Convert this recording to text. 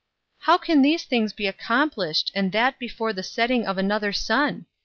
"How can these things be accomplished and that before the setting of another sun?"